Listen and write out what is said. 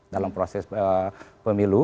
dalam proses pemilu